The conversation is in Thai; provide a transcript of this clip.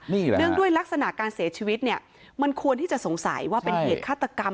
นี่แหละเนื่องด้วยลักษณะการเสียชีวิตเนี่ยมันควรที่จะสงสัยว่าเป็นเหตุฆาตกรรม